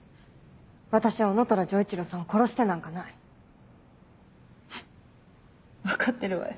私は男虎丈一郎さんを殺してなんかな分かってるわよ